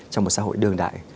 trong một xã hội đương đại